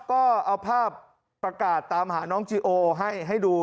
ก็เอาภาพประกาศตามหาน้องจีโอให้ดู